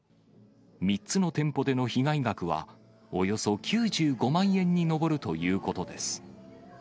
３つの店舗での被害額は、およそ９５万円に上るということです。